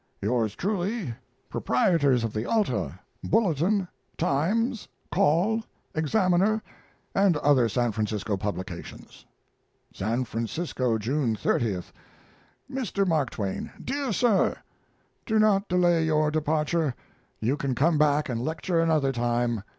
Yours truly, Proprietors of the Alta, Bulletin, Times, Call, Examiner [and other San Francisco publications]. SAN FRANCISCO, June 30th. MR. MARK TWAIN DEAR SIR, Do not delay your departure. You can come back and lecture another time.